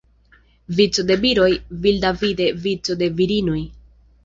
Vico de viroj, vidalvide vico de virinoj.